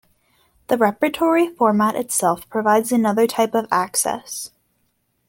The repertory format itself provides another type of access.